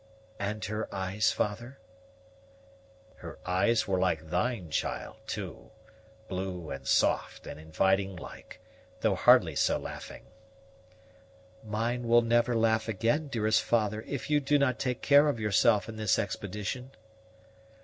"And her eyes, father?" "Her eyes were like thine, child, too; blue and soft, and inviting like, though hardly so laughing." "Mine will never laugh again, dearest father, if you do not take care of yourself in this expedition."